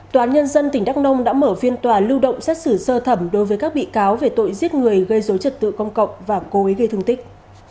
tòa án nhân dân tỉnh đắk nông đã mở phiên tòa lưu động xét xử sơ thẩm đối với các bị cáo về tội giết người gây dối trật tự công cộng và cố ý gây thương tích